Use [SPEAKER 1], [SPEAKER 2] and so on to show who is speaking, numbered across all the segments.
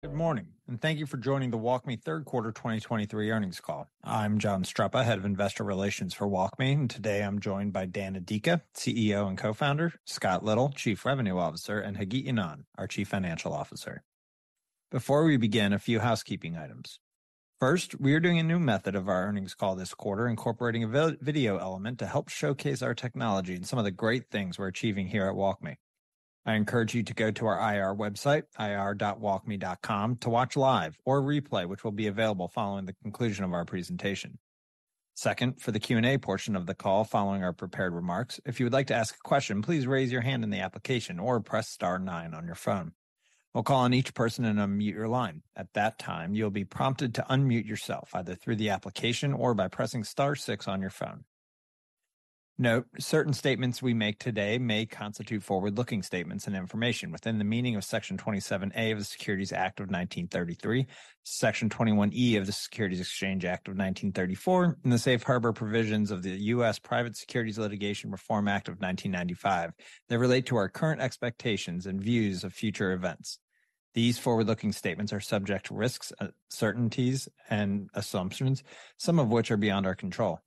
[SPEAKER 1] Good morning, and thank you for joining the WalkMe Third Quarter 2023 Earnings Call. I'm John Streppa, Head of Investor Relations for WalkMe, and today I'm joined by Dan Adika, CEO and Co-founder, Scott Little, Chief Revenue Officer, and Hagit Ynon, our Chief Financial Officer. Before we begin, a few housekeeping items. First, we are doing a new method of our earnings call this quarter, incorporating a video element to help showcase our technology and some of the great things we're achieving here at WalkMe. I encourage you to go to our IR website, ir.walkme.com, to watch live or replay, which will be available following the conclusion of our presentation. Second, for the Q&A portion of the call, following our prepared remarks, if you would like to ask a question, please raise your hand in the application or press star nine on your phone. We'll call on each person and unmute your line. At that time, you'll be prompted to unmute yourself, either through the application or by pressing star six on your phone. Note, certain statements we make today may constitute forward-looking statements and information within the meaning of Section 27A of the Securities Act of 1933, Section 21E of the Securities Exchange Act of 1934, and the safe harbor provisions of the U.S. Private Securities Litigation Reform Act of 1995, that relate to our current expectations and views of future events. These forward-looking statements are subject to risks, uncertainties, and assumptions, some of which are beyond our control.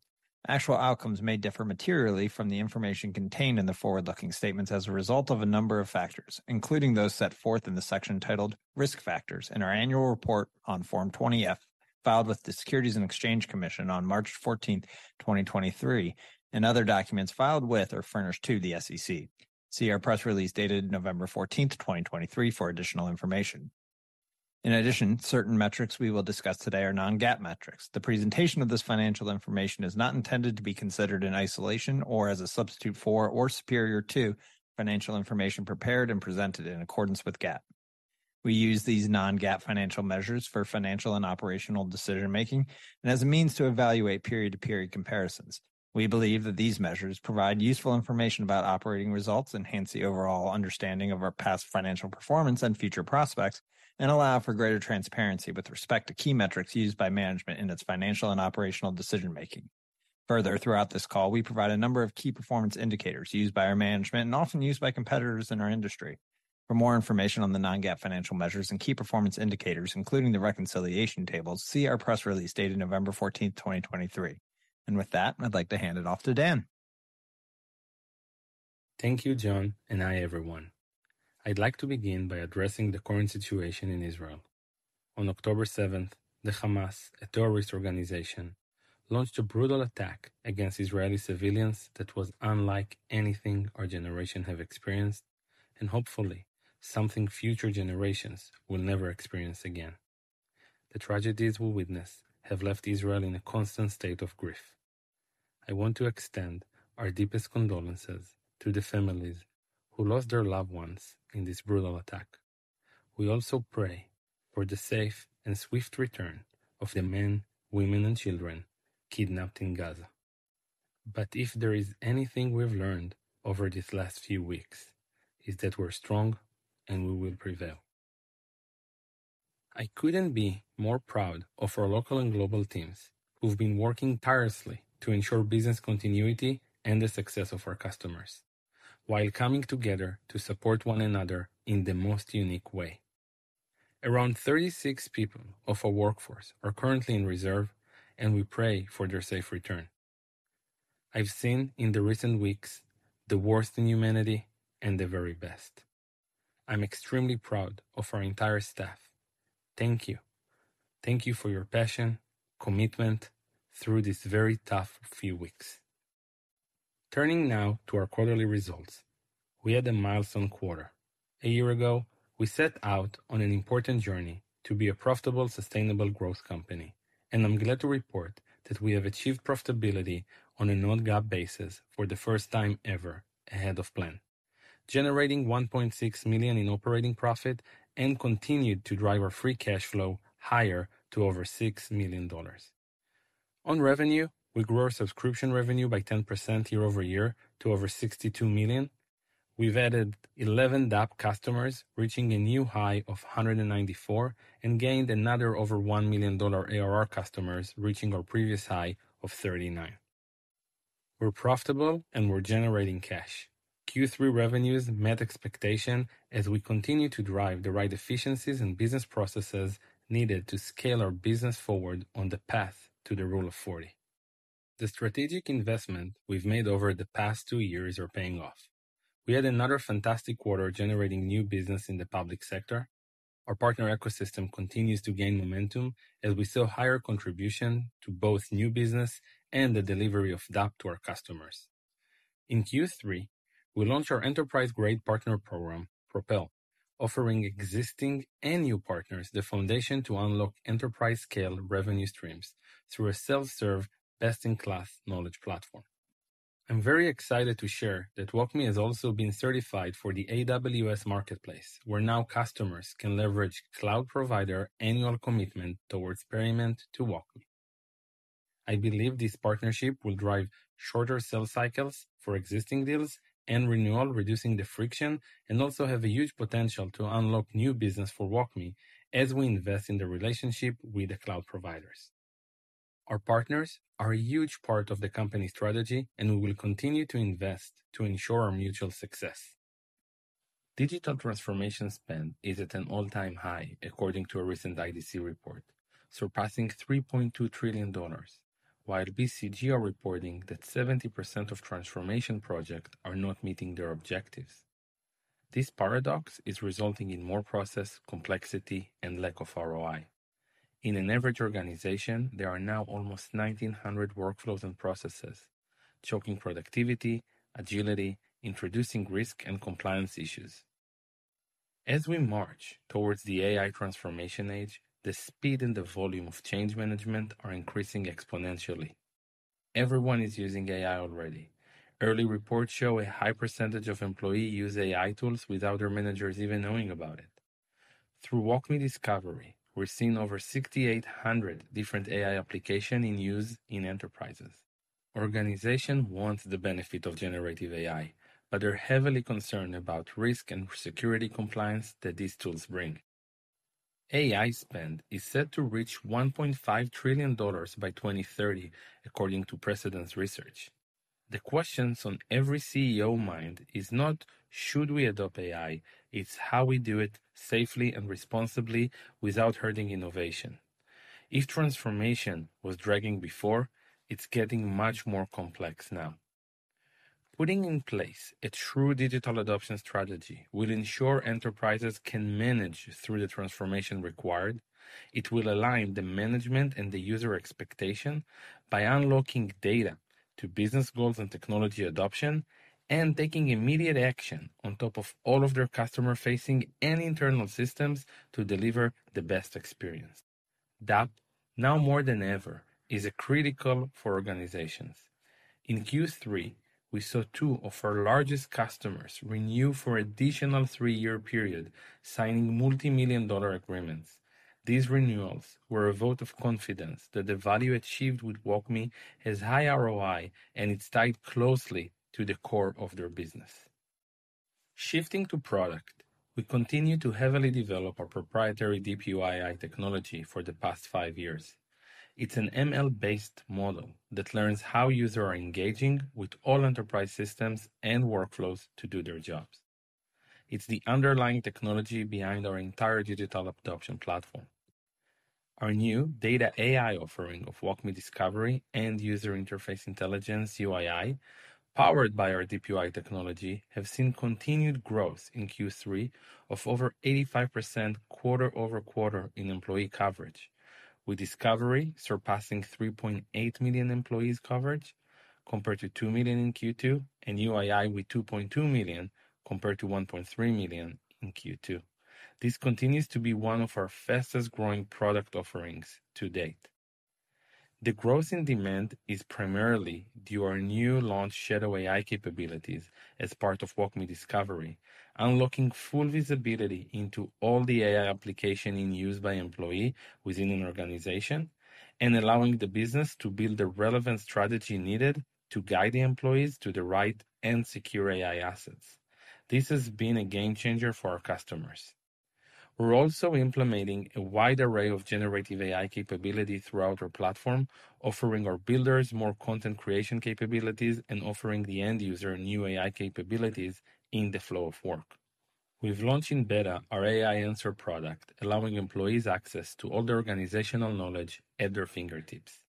[SPEAKER 1] Actual outcomes may differ materially from the information contained in the forward-looking statements as a result of a number of factors, including those set forth in the section titled "Risk Factors" in our annual report on Form 20-F, filed with the Securities and Exchange Commission on March 14, 2023, and other documents filed with or furnished to the SEC. See our press release, dated November 14, 2023, for additional information. In addition, certain metrics we will discuss today are non-GAAP metrics. The presentation of this financial information is not intended to be considered in isolation or as a substitute for or superior to financial information prepared and presented in accordance with GAAP. We use these non-GAAP financial measures for financial and operational decision-making and as a means to evaluate period-to-period comparisons. We believe that these measures provide useful information about operating results, enhance the overall understanding of our past financial performance and future prospects, and allow for greater transparency with respect to key metrics used by management in its financial and operational decision-making. Further, throughout this call, we provide a number of key performance indicators used by our management and often used by competitors in our industry. For more information on the non-GAAP financial measures and key performance indicators, including the reconciliation tables, see our press release dated November 14, 2023. With that, I'd like to hand it off to Dan.
[SPEAKER 2] Thank you, John, and hi, everyone. I'd like to begin by addressing the current situation in Israel. On October seventh, the Hamas, a terrorist organization, launched a brutal attack against Israeli civilians that was unlike anything our generation have experienced, and hopefully, something future generations will never experience again. The tragedies we witness have left Israel in a constant state of grief. I want to extend our deepest condolences to the families who lost their loved ones in this brutal attack. We also pray for the safe and swift return of the men, women, and children kidnapped in Gaza. But if there is anything we've learned over these last few weeks, is that we're strong and we will prevail. I couldn't be more proud of our local and global teams, who've been working tirelessly to ensure business continuity and the success of our customers while coming together to support one another in the most unique way. Around 36 people of our workforce are currently in reserve, and we pray for their safe return. I've seen, in the recent weeks, the worst in humanity and the very best. I'm extremely proud of our entire staff. Thank you. Thank you for your passion, commitment through these very tough few weeks. Turning now to our quarterly results, we had a milestone quarter. A year ago, we set out on an important journey to be a profitable, sustainable growth company, and I'm glad to report that we have achieved profitability on a non-GAAP basis for the first time ever, ahead of plan. Generating $1.6 million in operating profit and continued to drive our free cash flow higher to over $6 million. On revenue, we grew our subscription revenue by 10% year-over-year to over $62 million. We've added 11 DAP customers, reaching a new high of 194, and gained another over $1 million ARR customers, reaching our previous high of 39. We're profitable, and we're generating cash. Q3 revenues met expectation as we continue to drive the right efficiencies and business processes needed to scale our business forward on the path to the rule of 40. The strategic investment we've made over the past two years are paying off. We had another fantastic quarter, generating new business in the public sector. Our partner ecosystem continues to gain momentum as we saw higher contribution to both new business and the delivery of DAP to our customers. In Q3, we launched our enterprise-grade partner program, Propel, offering existing and new partners the foundation to unlock enterprise-scale revenue streams through a self-serve, best-in-class knowledge platform. I'm very excited to share that WalkMe has also been certified for the AWS Marketplace, where now customers can leverage cloud provider annual commitment towards payment to WalkMe. I believe this partnership will drive shorter sales cycles for existing deals and renewal, reducing the friction, and also have a huge potential to unlock new business for WalkMe as we invest in the relationship with the cloud providers. Our partners are a huge part of the company strategy, and we will continue to invest to ensure our mutual success. Digital transformation spend is at an all-time high, according to a recent IDC report, surpassing $3.2 trillion, while BCG are reporting that 70% of transformation projects are not meeting their objectives. This paradox is resulting in more process, complexity, and lack of ROI. In an average organization, there are now almost 1,900 workflows and processes, choking productivity, agility, introducing risk and compliance issues. As we march towards the AI transformation age, the speed and the volume of change management are increasing exponentially. Everyone is using AI already. Early reports show a high percentage of employees use AI tools without their managers even knowing about it. Through WalkMe Discovery, we're seeing over 6,800 different AI applications in use in enterprises. Organizations want the benefit of generative AI, but they're heavily concerned about risk and security compliance that these tools bring. AI spend is set to reach $1.5 trillion by 2030, according to Precedence Research. The questions on every CEO mind is not, should we adopt AI? It's how we do it safely and responsibly without hurting innovation. If transformation was dragging before, it's getting much more complex now. Putting in place a true digital adoption strategy will ensure enterprises can manage through the transformation required. It will align the management and the user expectation by unlocking data to business goals and technology adoption, and taking immediate action on top of all of their customer-facing and internal systems to deliver the best experience. DAP, now more than ever, is critical for organizations. In Q3, we saw two of our largest customers renew for additional three-year period, signing multimillion-dollar agreements. These renewals were a vote of confidence that the value achieved with WalkMe has high ROI, and it's tied closely to the core of their business. Shifting to product, we continue to heavily develop our proprietary DeepUI technology for the past five years. It's an ML-based model that learns how users are engaging with all enterprise systems and workflows to do their jobs. It's the underlying technology behind our entire digital adoption platform. Our new data AI offering of WalkMe Discovery and User Interface Intelligence (UII), powered by our DeepUI technology, have seen continued growth in Q3 of over 85% quarter-over-quarter in employee coverage, with Discovery surpassing 3.8 million employees coverage compared to 2 million in Q2, and UII with 2.2 million, compared to 1.3 million in Q2. This continues to be one of our fastest-growing product offerings to date. The growth in demand is primarily due to our new launch Shadow AI capabilities as part of WalkMe Discovery, unlocking full visibility into all the AI application in use by employee within an organization, and allowing the business to build the relevant strategy needed to guide the employees to the right and secure AI assets. This has been a game changer for our customers. We're also implementing a wide array of generative AI capabilities throughout our platform, offering our builders more content creation capabilities and offering the end user new AI capabilities in the flow of work. We've launched in beta our AI Answer product, allowing employees access to all the organizational knowledge at their fingertips.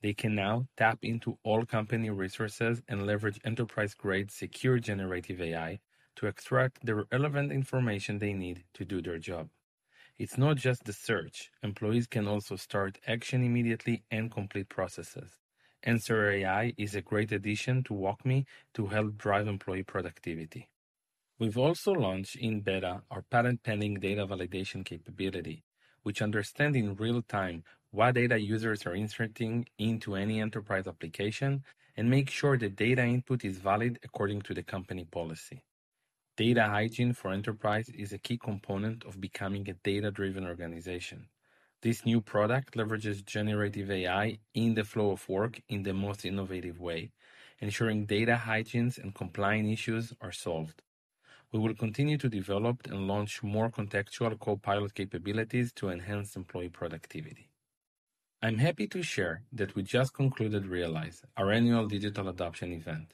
[SPEAKER 2] They can now tap into all company resources and leverage enterprise-grade, secure generative AI to extract the relevant information they need to do their job. It's not just the search. Employees can also start action immediately and complete processes. Answer AI is a great addition to WalkMe to help drive employee productivity. We've also launched in beta our patent-pending data validation capability, which understand in real time what data users are inserting into any enterprise application and make sure the data input is valid according to the company policy. Data hygiene for enterprise is a key component of becoming a data-driven organization. This new product leverages generative AI in the flow of work in the most innovative way, ensuring data hygiene and compliance issues are solved. We will continue to develop and launch more contextual copilot capabilities to enhance employee productivity. I'm happy to share that we just concluded Realize, our annual digital adoption event,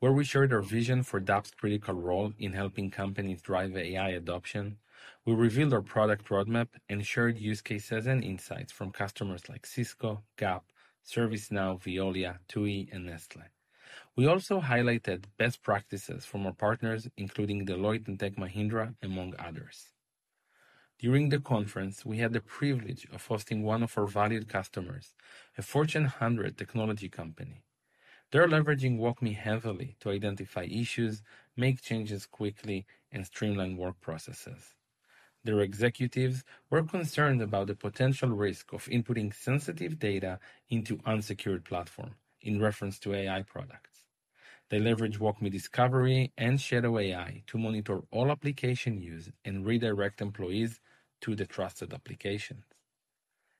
[SPEAKER 2] where we shared our vision for DAP's critical role in helping companies drive AI adoption. We revealed our product roadmap and shared use cases and insights from customers like Cisco, Gap, ServiceNow, Veolia, TUI, and Nestlé. We also highlighted best practices from our partners, including Deloitte and Tech Mahindra, among others. During the conference, we had the privilege of hosting one of our valued customers, a Fortune 100 technology company. They're leveraging WalkMe heavily to identify issues, make changes quickly, and streamline work processes. Their executives were concerned about the potential risk of inputting sensitive data into unsecured platform in reference to AI products. They leveraged WalkMe Discovery and Shadow AI to monitor all application use and redirect employees to the trusted applications.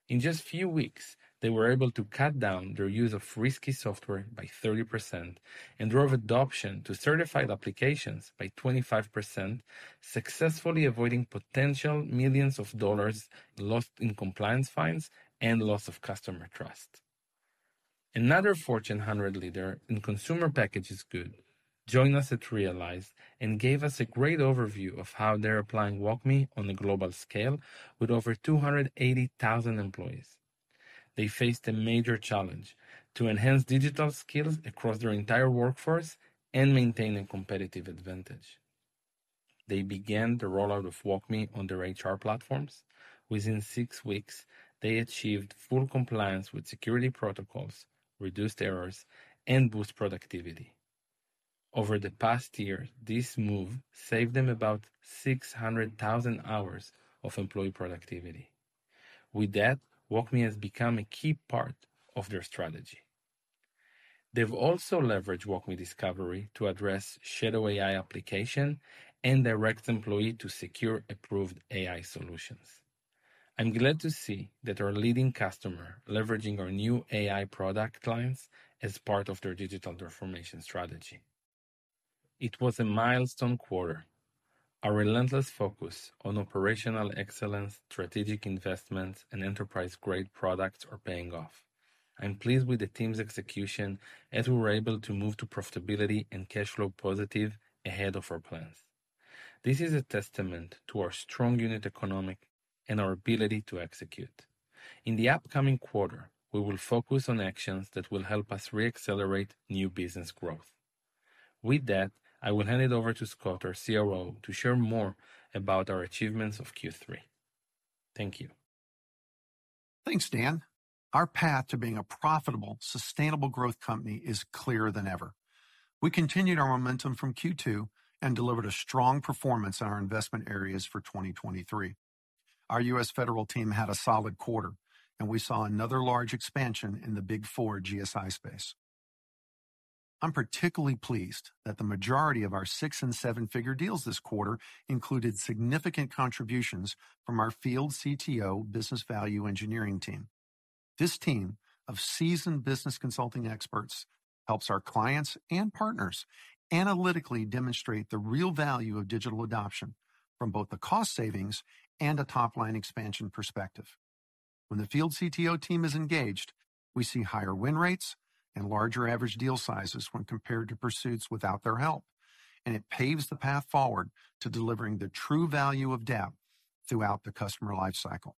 [SPEAKER 2] In just a few weeks, they were able to cut down their use of risky software by 30% and drove adoption to certified applications by 25%, successfully avoiding potential millions of dollars lost in compliance fines and loss of customer trust. Another Fortune 100 leader in consumer packaged goods joined us at Realize and gave us a great overview of how they're applying WalkMe on a global scale with over 280,000 employees. They faced a major challenge to enhance digital skills across their entire workforce and maintain a competitive advantage. They began the rollout of WalkMe on their HR platforms. Within six weeks, they achieved full compliance with security protocols, reduced errors, and boost productivity. Over the past year, this move saved them about 600,000 hours of employee productivity. With that, WalkMe has become a key part of their strategy. They've also leveraged WalkMe Discovery to address Shadow AI application and direct employee to secure approved AI solutions. I'm glad to see that our leading customer leveraging our new AI product lines as part of their digital transformation strategy. It was a milestone quarter. Our relentless focus on operational excellence, strategic investments, and enterprise-grade products are paying off. I'm pleased with the team's execution, as we were able to move to profitability and cash flow positive ahead of our plans. This is a testament to our strong unit economics and our ability to execute. In the upcoming quarter, we will focus on actions that will help us re-accelerate new business growth. With that, I will hand it over to Scott, our CRO, to share more about our achievements of Q3. Thank you.
[SPEAKER 3] Thanks, Dan. Our path to being a profitable, sustainable growth company is clearer than ever. We continued our momentum from Q2 and delivered a strong performance in our investment areas for 2023. Our U.S. federal team had a solid quarter, and we saw another large expansion in the Big Four GSI space. I'm particularly pleased that the majority of our six- and seven-figure deals this quarter included significant contributions from our field CTO Business Value Engineering team. This team of seasoned business consulting experts helps our clients and partners analytically demonstrate the real value of digital adoption from both the cost savings and a top-line expansion perspective. When the field CTO team is engaged, we see higher win rates and larger average deal sizes when compared to pursuits without their help, and it paves the path forward to delivering the true value of DAP throughout the customer life cycle.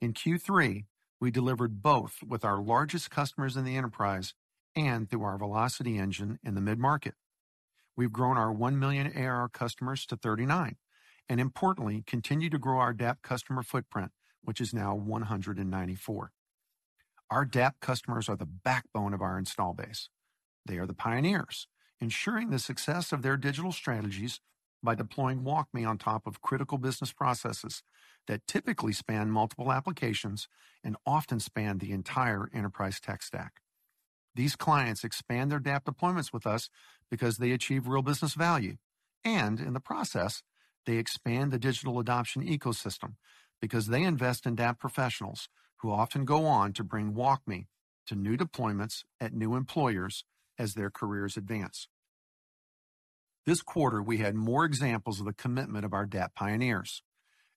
[SPEAKER 3] In Q3, we delivered both with our largest customers in the enterprise and through our velocity engine in the mid-market. We've grown our 1 million ARR customers to 39, and importantly, continued to grow our DAP customer footprint, which is now 194. Our DAP customers are the backbone of our installed base. They are the pioneers, ensuring the success of their digital strategies by deploying WalkMe on top of critical business processes that typically span multiple applications and often span the entire enterprise tech stack. These clients expand their DAP deployments with us because they achieve real business value, and in the process, they expand the digital adoption ecosystem because they invest in DAP professionals, who often go on to bring WalkMe to new deployments at new employers as their careers advance. This quarter, we had more examples of the commitment of our DAP pioneers.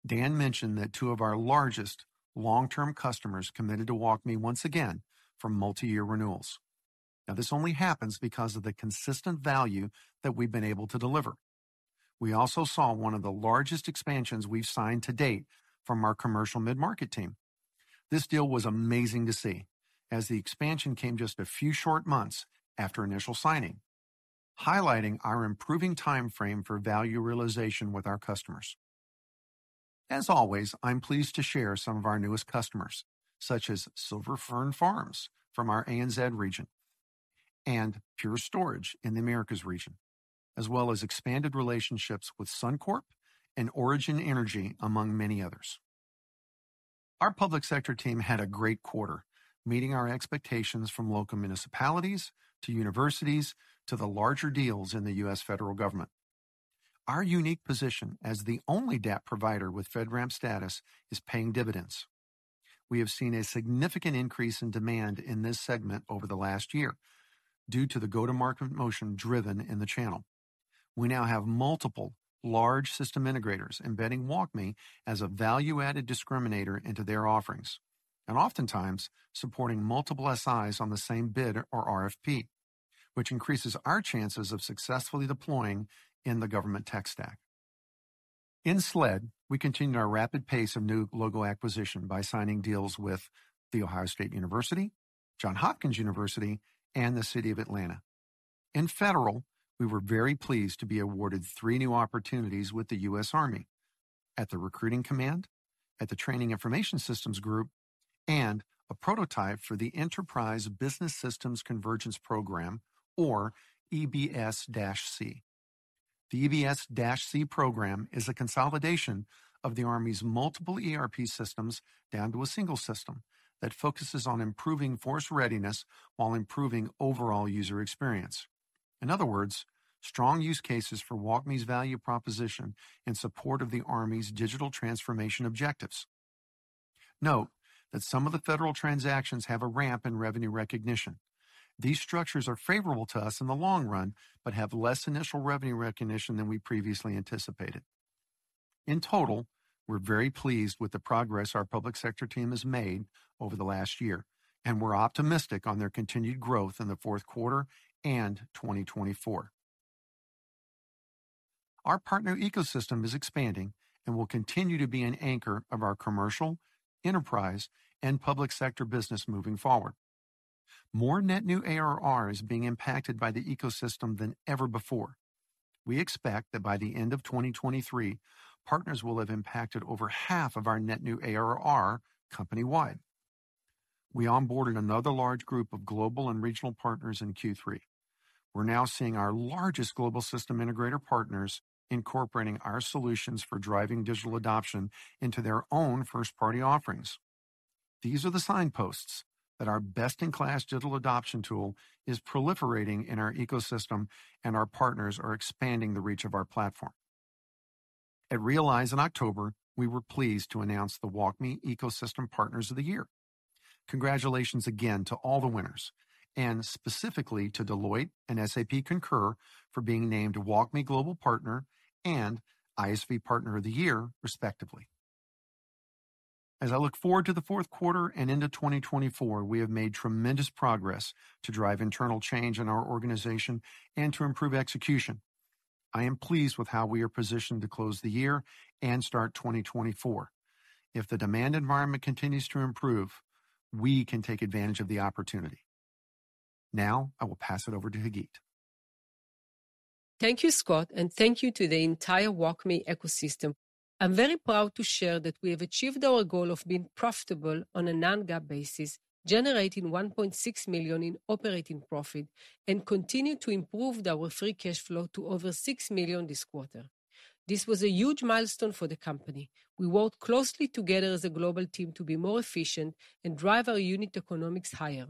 [SPEAKER 3] Dan mentioned that two of our largest long-term customers committed to WalkMe once again for multi-year renewals. Now, this only happens because of the consistent value that we've been able to deliver. We also saw one of the largest expansions we've signed to date from our commercial mid-market team. This deal was amazing to see, as the expansion came just a few short months after initial signing, highlighting our improving timeframe for value realization with our customers. As always, I'm pleased to share some of our newest customers, such as Silver Fern Farms from our ANZ region and Pure Storage in the Americas region, as well as expanded relationships with Suncorp and Origin Energy, among many others. Our public sector team had a great quarter, meeting our expectations from local municipalities to universities, to the larger deals in the U.S. federal government. Our unique position as the only DAP provider with FedRAMP status is paying dividends. We have seen a significant increase in demand in this segment over the last year due to the go-to-market motion driven in the channel. We now have multiple large system integrators embedding WalkMe as a value-added discriminator into their offerings, and oftentimes supporting multiple SIs on the same bid or RFP, which increases our chances of successfully deploying in the government tech stack. In SLED, we continued our rapid pace of new logo acquisition by signing deals with the Ohio State University, Johns Hopkins University, and the City of Atlanta. In federal, we were very pleased to be awarded three new opportunities with the U.S. Army: at the Recruiting Command, at the Training Information Systems Group, and a prototype for the Enterprise Business Systems Convergence program, or EBS-C. The EBS-C program is a consolidation of the Army's multiple ERP systems down to a single system that focuses on improving force readiness while improving overall user experience. In other words, strong use cases for WalkMe's value proposition in support of the Army's digital transformation objectives. Note that some of the federal transactions have a ramp in revenue recognition. These structures are favorable to us in the long run, but have less initial revenue recognition than we previously anticipated. In total, we're very pleased with the progress our public sector team has made over the last year, and we're optimistic on their continued growth in the fourth quarter and 2024. Our partner ecosystem is expanding and will continue to be an anchor of our commercial, enterprise, and public sector business moving forward. More net new ARR is being impacted by the ecosystem than ever before. We expect that by the end of 2023, partners will have impacted over half of our net new ARR company-wide. We onboarded another large group of global and regional partners in Q3. We're now seeing our largest global system integrator partners incorporating our solutions for driving digital adoption into their own first-party offerings. These are the signposts that our best-in-class digital adoption tool is proliferating in our ecosystem, and our partners are expanding the reach of our platform. At Realize in October, we were pleased to announce the WalkMe Ecosystem Partners of the Year. Congratulations again to all the winners, and specifically to Deloitte and SAP Concur for being named WalkMe Global Partner and ISV Partner of the Year, respectively. As I look forward to the fourth quarter and into 2024, we have made tremendous progress to drive internal change in our organization and to improve execution. I am pleased with how we are positioned to close the year and start 2024. If the demand environment continues to improve, we can take advantage of the opportunity. Now I will pass it over to Hagit.
[SPEAKER 4] Thank you, Scott, and thank you to the entire WalkMe ecosystem. I'm very proud to share that we have achieved our goal of being profitable on a non-GAAP basis, generating $1.6 million in operating profit, and continued to improve our free cash flow to over $6 million this quarter. This was a huge milestone for the company. We worked closely together as a global team to be more efficient and drive our unit economics higher.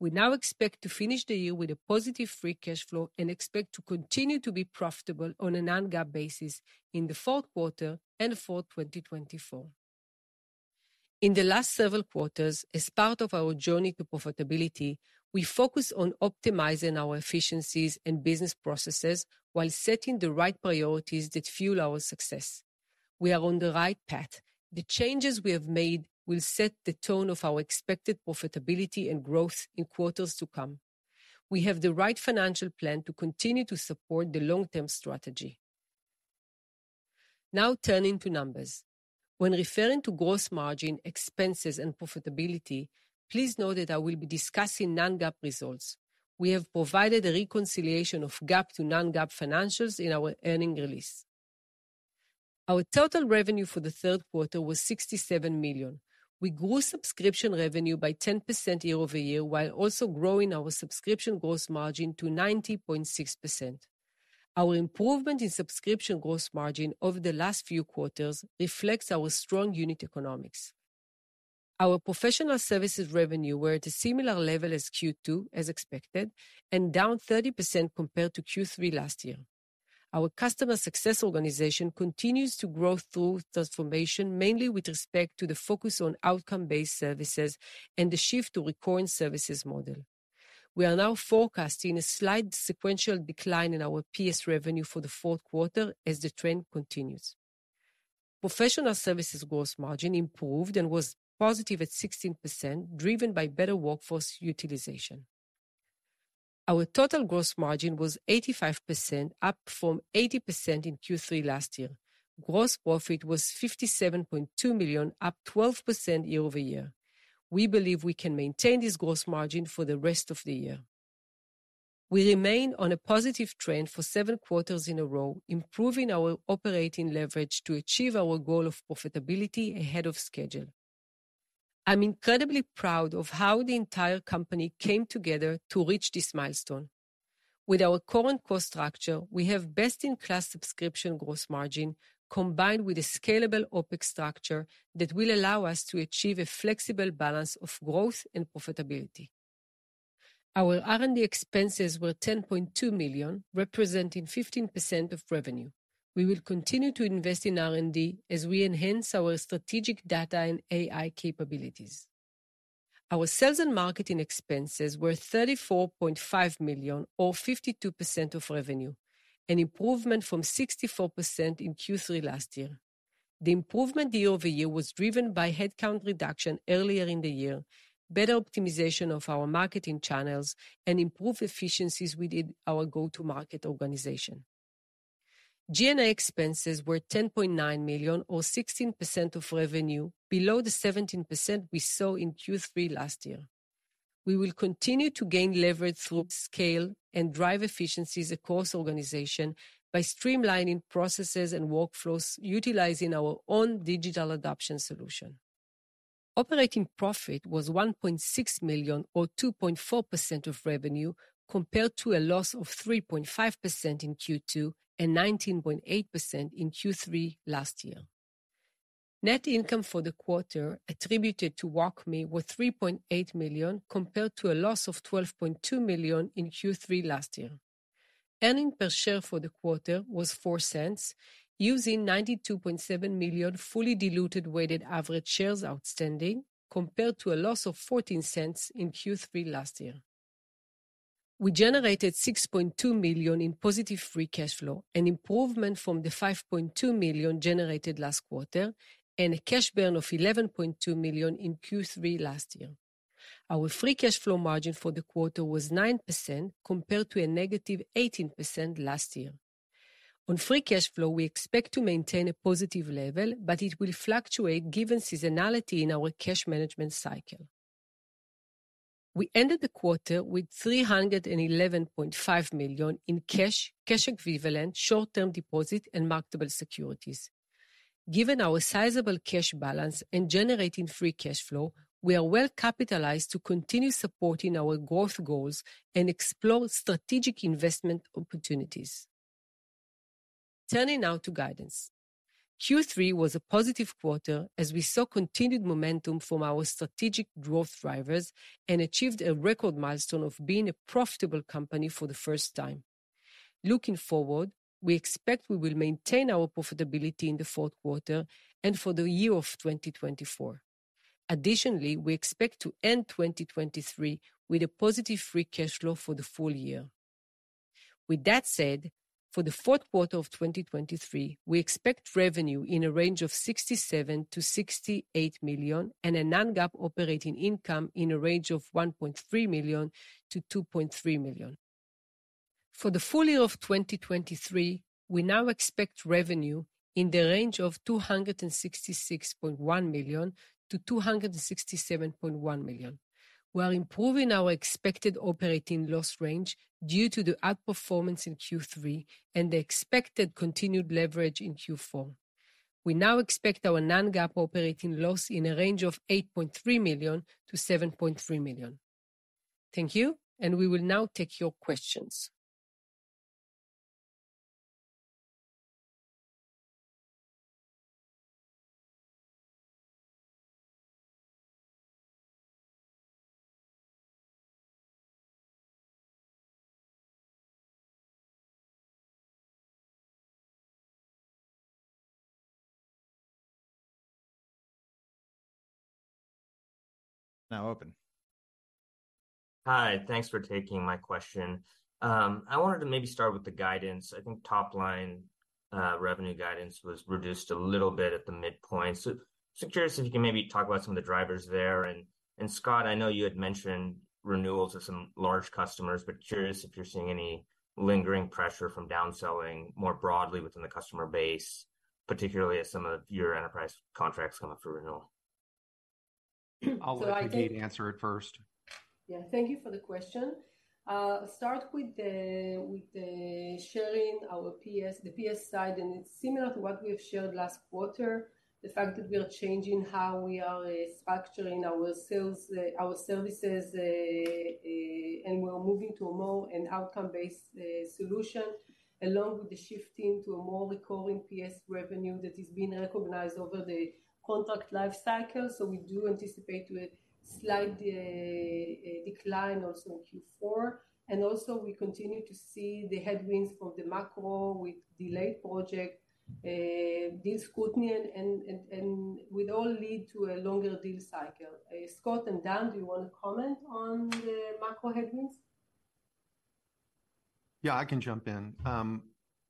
[SPEAKER 4] We now expect to finish the year with a positive free cash flow and expect to continue to be profitable on a non-GAAP basis in the fourth quarter and for 2024. In the last several quarters, as part of our journey to profitability, we focused on optimizing our efficiencies and business processes while setting the right priorities that fuel our success. We are on the right path. The changes we have made will set the tone of our expected profitability and growth in quarters to come. We have the right financial plan to continue to support the long-term strategy. Now turning to numbers. When referring to gross margin, expenses, and profitability, please note that I will be discussing non-GAAP results. We have provided a reconciliation of GAAP to non-GAAP financials in our earnings release. Our total revenue for the third quarter was $67 million. We grew subscription revenue by 10% year-over-year, while also growing our subscription gross margin to 90.6%. Our improvement in subscription gross margin over the last few quarters reflects our strong unit economics. Our professional services revenue were at a similar level as Q2, as expected, and down 30% compared to Q3 last year. Our customer success organization continues to grow through transformation, mainly with respect to the focus on outcome-based services and the shift to recurring services model. We are now forecasting a slight sequential decline in our PS revenue for the fourth quarter as the trend continues. Professional services gross margin improved and was positive at 16%, driven by better workforce utilization. Our total gross margin was 85%, up from 80% in Q3 last year. Gross profit was $57.2 million, up 12% year-over-year. We believe we can maintain this gross margin for the rest of the year. We remain on a positive trend for seven quarters in a row, improving our operating leverage to achieve our goal of profitability ahead of schedule. I'm incredibly proud of how the entire company came together to reach this milestone. With our current cost structure, we have best-in-class subscription gross margin, combined with a scalable OpEx structure that will allow us to achieve a flexible balance of growth and profitability. Our R&D expenses were $10.2 million, representing 15% of revenue. We will continue to invest in R&D as we enhance our strategic data and AI capabilities. Our sales and marketing expenses were $34.5 million or 52% of revenue, an improvement from 64% in Q3 last year. The improvement year-over-year was driven by headcount reduction earlier in the year, better optimization of our marketing channels, and improved efficiencies within our go-to-market organization. G&A expenses were $10.9 million or 16% of revenue, below the 17% we saw in Q3 last year. We will continue to gain leverage through scale and drive efficiencies across organization by streamlining processes and workflows, utilizing our own digital adoption solution. Operating profit was $1.6 million or 2.4% of revenue, compared to a loss of 3.5% in Q2 and 19.8% in Q3 last year. Net income for the quarter attributed to WalkMe was $3.8 million, compared to a loss of $12.2 million in Q3 last year. Earnings per share for the quarter was $0.04, using 92.7 million fully diluted weighted average shares outstanding, compared to a loss of $0.14 in Q3 last year. We generated $6.2 million in positive free cash flow, an improvement from the $5.2 million generated last quarter, and a cash burn of $11.2 million in Q3 last year. Our free cash flow margin for the quarter was 9%, compared to a negative 18% last year. On free cash flow, we expect to maintain a positive level, but it will fluctuate given seasonality in our cash management cycle. We ended the quarter with $311.5 million in cash, cash equivalents, short-term deposits, and marketable securities. Given our sizable cash balance and generating free cash flow, we are well capitalized to continue supporting our growth goals and explore strategic investment opportunities. Turning now to guidance. Q3 was a positive quarter as we saw continued momentum from our strategic growth drivers and achieved a record milestone of being a profitable company for the first time. Looking forward, we expect we will maintain our profitability in the fourth quarter and for the year of 2024. Additionally, we expect to end 2023 with a positive free cash flow for the full year. With that said, for the fourth quarter of 2023, we expect revenue in a range of $67 million-$68 million, and a non-GAAP operating income in a range of $1.3 million-$2.3 million. For the full year of 2023, we now expect revenue in the range of $266.1 million-$267.1 million. We are improving our expected operating loss range due to the outperformance in Q3 and the expected continued leverage in Q4. We now expect our non-GAAP operating loss in a range of $8.3 million-$7.3 million. Thank you, and we will now take your questions.
[SPEAKER 1] Now open.
[SPEAKER 5] Hi, thanks for taking my question. I wanted to maybe start with the guidance. I think top line, revenue guidance was reduced a little bit at the midpoint. So just curious if you can maybe talk about some of the drivers there. And Scott, I know you had mentioned renewals of some large customers, but curious if you're seeing any lingering pressure from downselling more broadly within the customer base, particularly as some of your enterprise contracts come up for renewal?
[SPEAKER 4] I think-
[SPEAKER 3] I'll let Hagit answer it first.
[SPEAKER 4] Yeah, thank you for the question. Start with the sharing our PS, the PS side, and it's similar to what we've shared last quarter. The fact that we are changing how we are structuring our sales, our services, and we're moving to a more an outcome-based solution, along with the shifting to a more recurring PS revenue that is being recognized over the contract life cycle. So we do anticipate to a slight decline also in Q4. Also, we continue to see the headwinds from the macro with delayed project deal scrutiny and will all lead to a longer deal cycle. Scott and Dan, do you want to comment on the macro headwinds?
[SPEAKER 3] Yeah, I can jump in.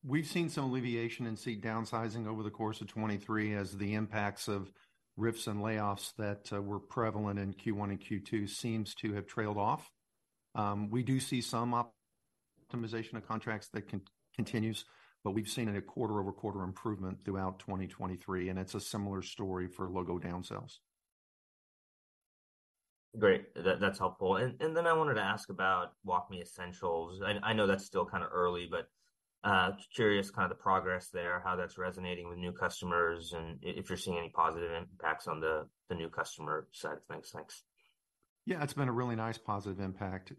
[SPEAKER 3] We've seen some alleviation in seat downsizing over the course of 2023, as the impacts of RIFs and layoffs that were prevalent in Q1 and Q2 seems to have trailed off. We do see some optimization of contracts that continues, but we've seen a quarter-over-quarter improvement throughout 2023, and it's a similar story for logo downsells.
[SPEAKER 5] Great. That, that's helpful. And then I wanted to ask about WalkMe Essentials. I know that's still kind of early, but curious kind of the progress there, how that's resonating with new customers, and if you're seeing any positive impacts on the new customer side. Thanks. Thanks.
[SPEAKER 3] Yeah, it's been a really nice positive impact,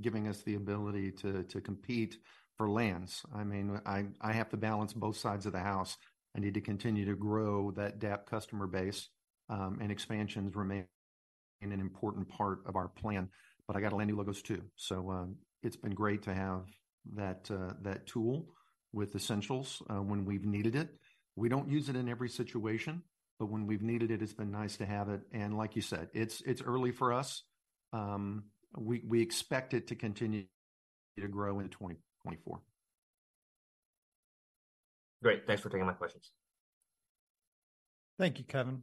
[SPEAKER 3] giving us the ability to compete for lands. I mean, I have to balance both sides of the house. I need to continue to grow that DAP customer base, and expansions remain an important part of our plan, but I got to land new logos too. So, it's been great to have that tool with Essentials, when we've needed it. We don't use it in every situation, but when we've needed it, it's been nice to have it. And like you said, it's early for us. We expect it to continue to grow into 2024.
[SPEAKER 5] Great. Thanks for taking my questions.
[SPEAKER 1] Thank you, Kevin.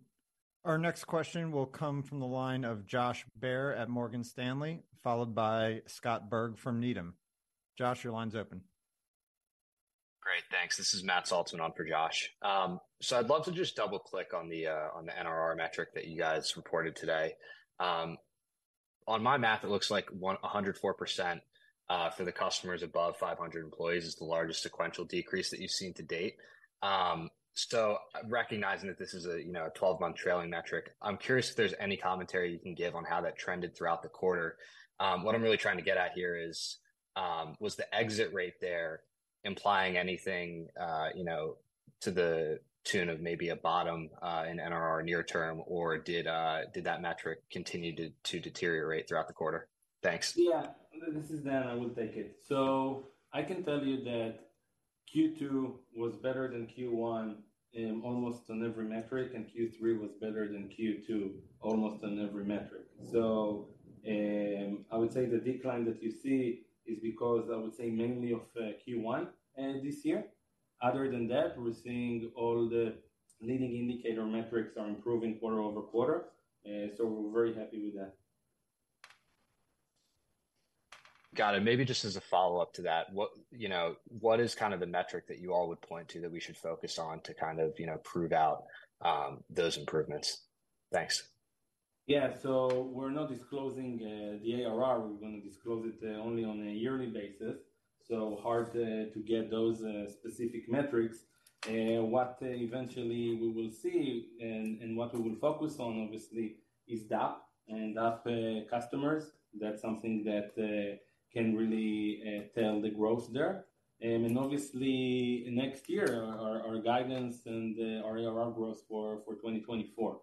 [SPEAKER 1] Our next question will come from the line of Josh Baer at Morgan Stanley, followed by Scott Berg from Needham. Josh, your line's open.
[SPEAKER 6] Great, thanks. This is Matt Saltzman on for Josh. So I'd love to just double-click on the on the NRR metric that you guys reported today. On my math, it looks like 104% for the customers above 500 employees is the largest sequential decrease that you've seen to date. So recognizing that this is a, you know, a 12-month trailing metric, I'm curious if there's any commentary you can give on how that trended throughout the quarter. What I'm really trying to get at here is, was the exit rate there implying anything, you know, to the tune of maybe a bottom in NRR near term, or did that metric continue to deteriorate throughout the quarter? Thanks.
[SPEAKER 2] Yeah. This is Dan. I will take it. So I can tell you that Q2 was better than Q1, almost on every metric, and Q3 was better than Q2 almost on every metric. So, I would say the decline that you see is because, I would say, mainly of Q1 this year. Other than that, we're seeing all the leading indicator metrics are improving quarter over quarter, so we're very happy with that.
[SPEAKER 6] Got it. Maybe just as a follow-up to that, what, you know, what is kind of the metric that you all would point to that we should focus on to kind of, you know, prove out those improvements? Thanks.
[SPEAKER 2] Yeah. So we're not disclosing the ARR. We're going to disclose it only on a yearly basis, so hard to get those specific metrics. What eventually we will see and what we will focus on, obviously, is DAP and DAP customers. That's something that can really tell the growth there. And obviously, next year, our guidance and our ARR growth for 2024.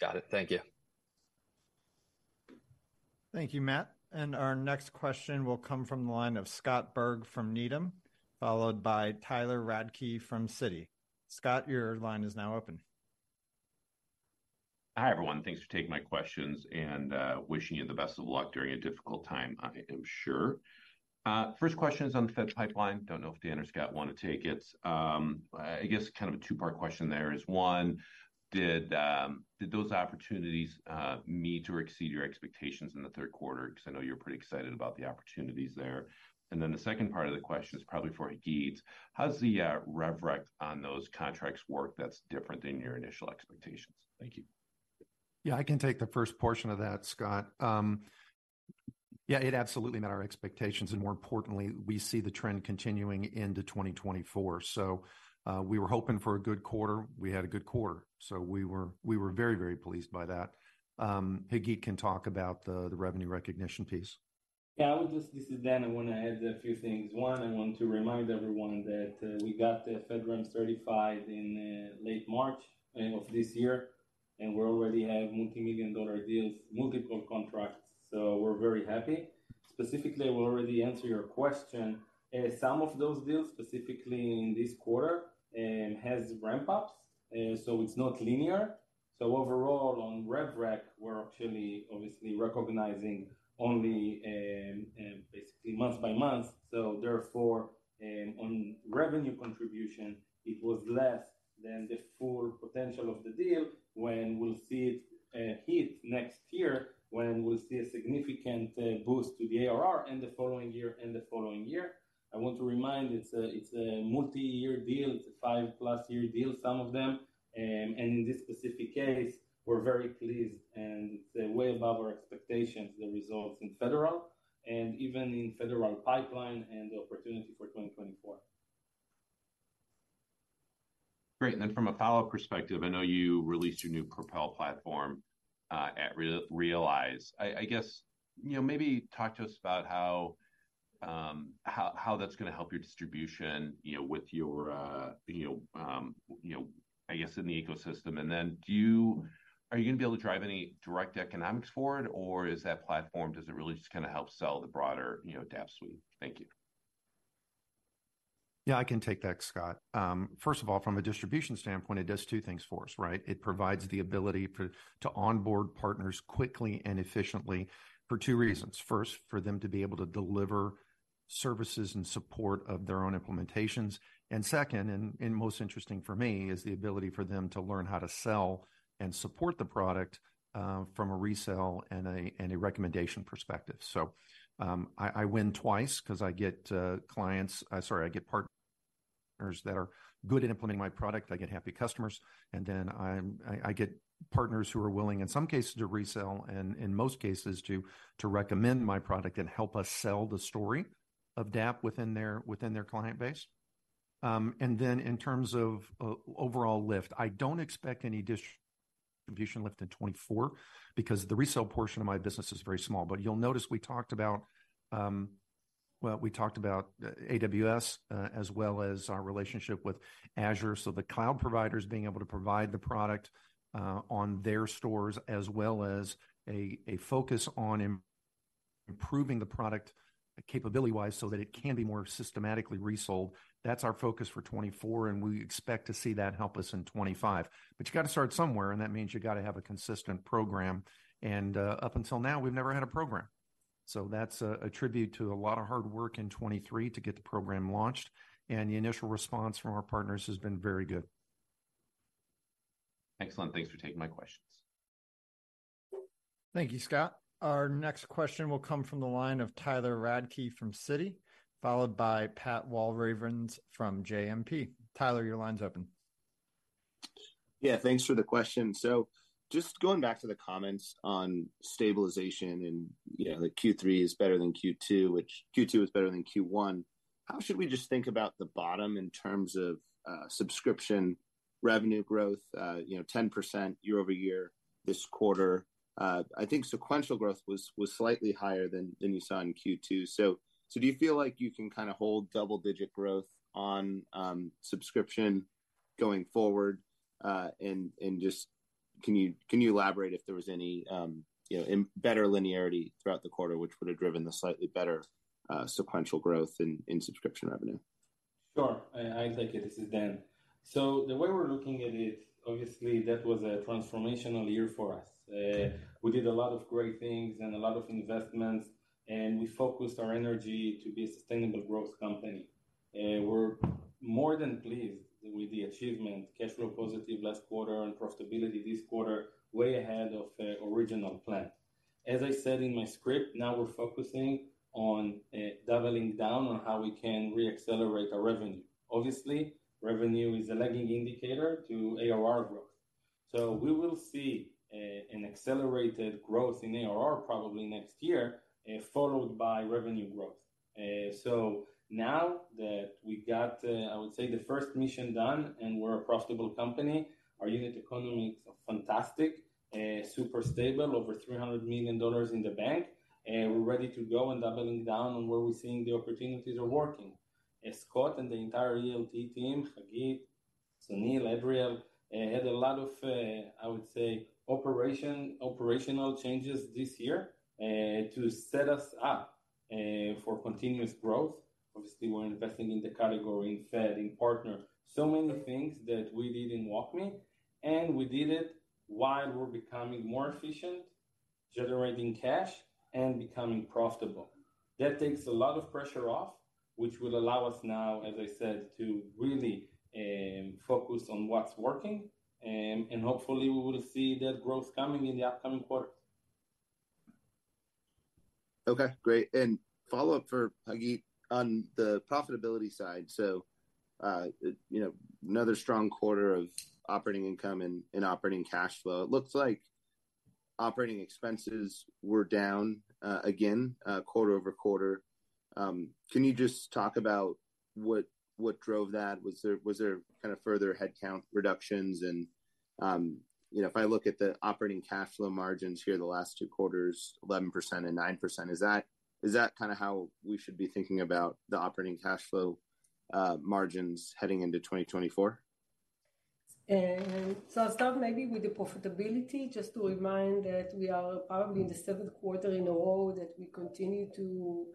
[SPEAKER 6] Got it. Thank you.
[SPEAKER 1] Thank you, Matt. And our next question will come from the line of Scott Berg from Needham, followed by Tyler Radke from Citi. Scott, your line is now open.
[SPEAKER 7] Hi, everyone. Thanks for taking my questions, and wishing you the best of luck during a difficult time, I am sure. First question is on the Fed pipeline. Don't know if Dan or Scott want to take it. I guess kind of a two-part question there is, one, did those opportunities meet or exceed your expectations in the third quarter? Because I know you're pretty excited about the opportunities there. And then the second part of the question is probably for Hagit. How's the rev rec on those contracts work that's different than your initial expectations? Thank you.
[SPEAKER 3] Yeah, I can take the first portion of that, Scott. Yeah, it absolutely met our expectations, and more importantly, we see the trend continuing into 2024. So, we were hoping for a good quarter. We had a good quarter, so we were, we were very, very pleased by that. Hagit can talk about the, the revenue recognition piece.
[SPEAKER 2] Yeah, I would just, this is Dan. I want to add a few things. One, I want to remind everyone that we got the FedRAMP certified in late March of this year, and we already have multi-million dollar deals, multiple contracts, so we're very happy. Specifically, we already answered your question. Some of those deals, specifically in this quarter, has ramp-ups, so it's not linear. So overall, on rev rec, we're actually obviously recognizing only basically month by month. So therefore, on revenue contribution, it was less than the full potential of the deal when we'll see it hit next year, when we'll see a significant boost to the ARR in the following year and the following year. I want to remind, it's a, it's a multi-year deal. It's a five-plus year deal, some of them. And in this specific case, we're very pleased, and it's way above our expectations, the results in federal and even in federal pipeline and the opportunity for 2024.
[SPEAKER 7] Great. And then from a follow-up perspective, I know you released your new Propel platform at Realize. I guess, you know, maybe talk to us about how, how that's gonna help your distribution, you know, with your, you know, I guess in the ecosystem. And then do you, are you gonna be able to drive any direct economics for it, or is that platform, does it really just kinda help sell the broader, you know, DAP suite? Thank you.
[SPEAKER 3] Yeah, I can take that, Scott. First of all, from a distribution standpoint, it does two things for us, right? It provides the ability to onboard partners quickly and efficiently for two reasons. First, for them to be able to deliver services and support of their own implementations, and second, most interesting for me, is the ability for them to learn how to sell and support the product, from a resell and a recommendation perspective. So, I win twice 'cause I get partners that are good at implementing my product, I get happy customers, and then I get partners who are willing, in some cases, to resell, and in most cases, to recommend my product and help us sell the story of DAP within their client base. And then in terms of overall lift, I don't expect any distribution lift in 2024 because the resell portion of my business is very small. But you'll notice we talked about AWS as well as our relationship with Azure, so the cloud providers being able to provide the product on their stores, as well as a focus on improving the product capability-wise, so that it can be more systematically resold. That's our focus for 2024, and we expect to see that help us in 2025. But you've got to start somewhere and that means you got to have a consistent program, and up until now, we've never had a program. That's a tribute to a lot of hard work in 2023 to get the program launched, and the initial response from our partners has been very good.
[SPEAKER 7] Excellent. Thanks for taking my questions.
[SPEAKER 1] Thank you, Scott. Our next question will come from the line of Tyler Radke from Citi, followed by Pat Walravens from JMP. Tyler, your line's open.
[SPEAKER 8] Yeah, thanks for the question. So just going back to the comments on stabilization and, you know, the Q3 is better than Q2, which Q2 is better than Q1. How should we just think about the bottom in terms of subscription revenue growth, you know, 10% year-over-year this quarter? I think sequential growth was slightly higher than you saw in Q2. So do you feel like you can kind of hold double-digit growth on subscription going forward, and just can you elaborate if there was any, you know, better linearity throughout the quarter, which would have driven the slightly better sequential growth in subscription revenue?
[SPEAKER 2] Sure. I, I take it, this is Dan. So the way we're looking at it, obviously, that was a transformational year for us. We did a lot of great things and a lot of investments, and we focused our energy to be a sustainable growth company. We're more than pleased with the achievement, cash flow positive last quarter and profitability this quarter, way ahead of original plan. As I said in my script, now we're focusing on doubling down on how we can re-accelerate our revenue. Obviously, revenue is a lagging indicator to ARR growth. So we will see an accelerated growth in ARR probably next year, followed by revenue growth. So now that we got, I would say, the first mission done and we're a profitable company, our unit economy is fantastic, super stable, over $300 million in the bank, and we're ready to go and doubling down on where we're seeing the opportunities are working. As Scott and the entire ELT team, Hagit, Sunil, Adriel, had a lot of, I would say, operational changes this year, to set us up, for continuous growth. Obviously, we're investing in the category, in Fed, in partners. So many things that we did in WalkMe, and we did it while we're becoming more efficient, generating cash, and becoming profitable. That takes a lot of pressure off, which will allow us now, as I said, to really focus on what's working, and hopefully we will see that growth coming in the upcoming quarters.
[SPEAKER 8] Okay, great. And follow up for Hagit, on the profitability side. So, you know, another strong quarter of operating income and operating cash flow. It looks like operating expenses were down again quarter-over-quarter. Can you just talk about what drove that? Was there kind of further headcount reductions? And, you know, if I look at the operating cash flow margins here, the last two quarters, 11% and 9%, is that kind of how we should be thinking about the operating cash flow margins heading into 2024?
[SPEAKER 4] So I'll start maybe with the profitability, just to remind that we are probably in the seventh quarter in a row that we continue to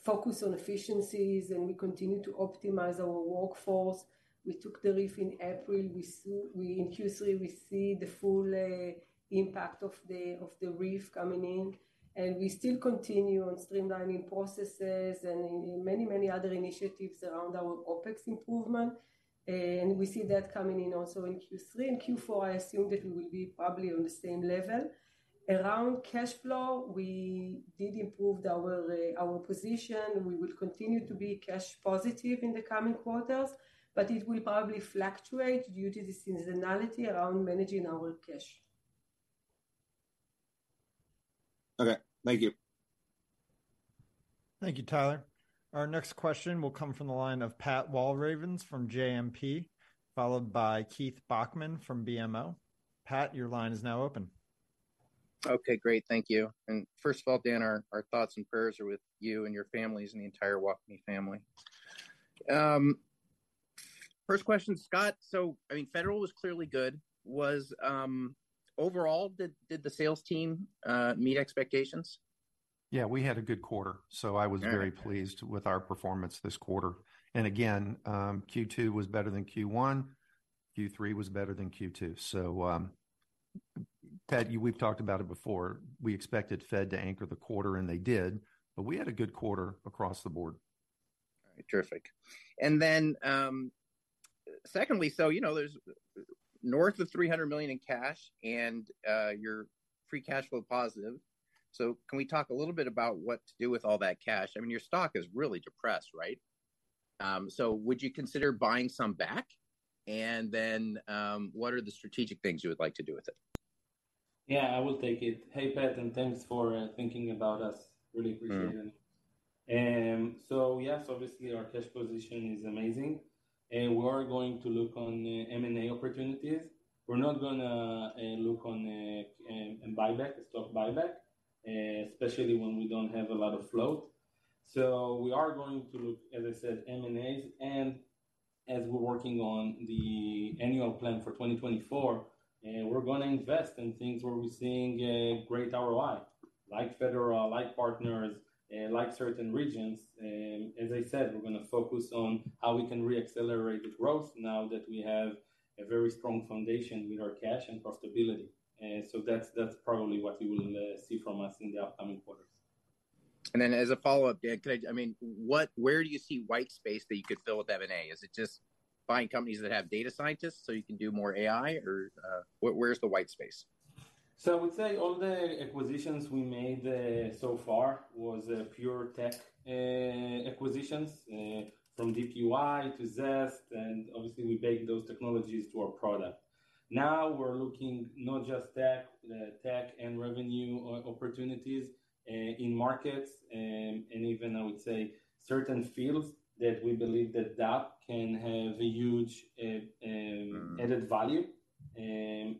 [SPEAKER 4] focus on efficiencies, and we continue to optimize our workforce. We took the RIF in April. We in Q3 see the full impact of the RIF coming in, and we still continue on streamlining processes and many, many other initiatives around our OpEx improvement, and we see that coming in also in Q3 and Q4. I assume that we will be probably on the same level. Around cash flow, we did improve our position. We will continue to be cash positive in the coming quarters, but it will probably fluctuate due to the seasonality around managing our cash.
[SPEAKER 8] Okay, thank you.
[SPEAKER 1] Thank you, Tyler. Our next question will come from the line of Pat Walravens from JMP, followed by Keith Bachman from BMO. Pat, your line is now open.
[SPEAKER 9] Okay, great. Thank you. And first of all, Dan, our thoughts and prayers are with you and your families and the entire WalkMe family. First question, Scott. So I mean, Federal was clearly good. Was overall, did the sales team meet expectations?
[SPEAKER 3] Yeah, we had a good quarter, so I was very pleased with our performance this quarter. And again, Q2 was better than Q1. Q3 was better than Q2. So, Pat, we've talked about it before. We expected Fed to anchor the quarter, and they did, but we had a good quarter across the board.
[SPEAKER 9] All right. Terrific. And then, secondly, so, you know, there's north of $300 million in cash, and, you're free cash flow positive. So can we talk a little bit about what to do with all that cash? I mean, your stock is really depressed, right? So would you consider buying some back? And then, what are the strategic things you would like to do with it?
[SPEAKER 2] Yeah, I will take it. Hey, Pat, and thanks for thinking about us. Really appreciate it.
[SPEAKER 9] Mm.
[SPEAKER 2] So yes, obviously, our cash position is amazing, and we are going to look on M&A opportunities. We're not gonna look on buyback, stock buyback, especially when we don't have a lot of flow. So we are going to look, as I said, M&As, and as we're working on the annual plan for 2024, we're gonna invest in things where we're seeing a great ROI, like Federal, like partners, like certain regions. As I said, we're gonna focus on how we can re-accelerate the growth now that we have a very strong foundation with our cash and profitability. So that's, that's probably what you will see from us in the upcoming quarters.
[SPEAKER 9] Then, as a follow-up, Dan, could I—I mean, what—where do you see white space that you could fill with M&A? Is it just buying companies that have data scientists so you can do more AI, or where's the white space?
[SPEAKER 2] So I would say all the acquisitions we made so far was pure tech acquisitions from DeepUI to Zest, and obviously, we baked those technologies to our product. Now we're looking not just tech tech and revenue opportunities in markets, and even, I would say, certain fields that we believe that that can have a huge added value. And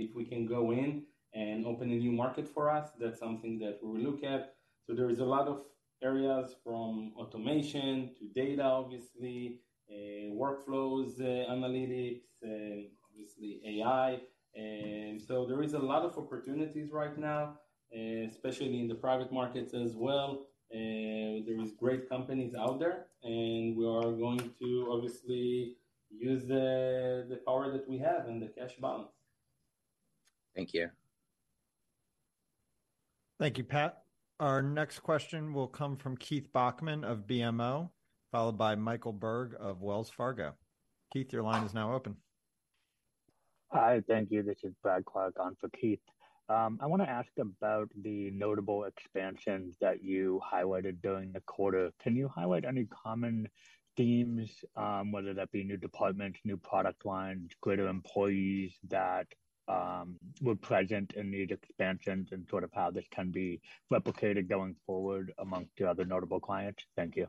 [SPEAKER 2] if we can go in and open a new market for us, that's something that we will look at. So there is a lot of areas from automation to data, obviously, workflows analytics, and obviously AI. And so there is a lot of opportunities right now especially in the private markets as well. And there is great companies out there, and we are going to obviously use the power that we have and the cash balance.
[SPEAKER 9] Thank you.
[SPEAKER 1] Thank you, Pat. Our next question will come from Keith Bachman of BMO, followed by Michael Berg of Wells Fargo. Keith, your line is now open.
[SPEAKER 10] Hi. Thank you. This is Brad Clark on for Keith. I want to ask about the notable expansions that you highlighted during the quarter. Can you highlight any common themes, whether that be new departments, new product lines, greater employees that were present in these expansions and sort of how this can be replicated going forward amongst your other notable clients? Thank you.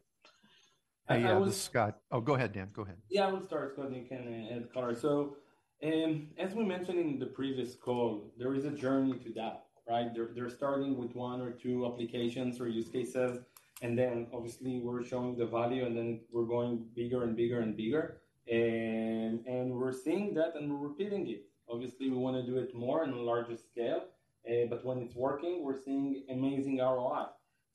[SPEAKER 3] Hi, yeah, this is Scott. Oh, go ahead, Dan. Go ahead.
[SPEAKER 2] Yeah, I will start, Scott, and you can add color. So, as we mentioned in the previous call, there is a journey to that, right? They're starting with one or two applications or use cases, and then obviously we're showing the value, and then we're going bigger and bigger and bigger. And we're seeing that, and we're repeating it. Obviously, we want to do it more on a larger scale, but when it's working, we're seeing amazing ROI.